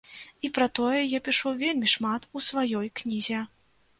І пра тое я пішу вельмі шмат у сваёй кнізе.